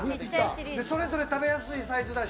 それぞれ食べやすいサイズだし。